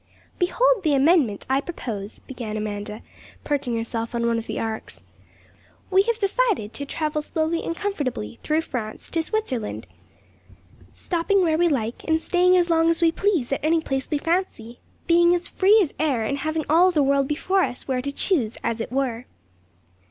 'Behold the amendment I propose,' began Amanda, perching herself on one of the arks. 'We have decided to travel slowly and comfortably through France to Switzerland, stopping where we like, and staying as long as we please at any place we fancy, being as free as air, and having all the world before us where to choose, as it were.'